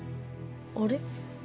あれ。